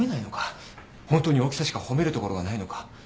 本当に大きさしか褒めるところがないのか。